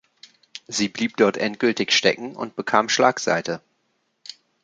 Sie blieb dort endgültig stecken und bekam Schlagseite.